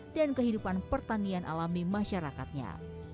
dan kehidupan pertanian alami masyarakatnya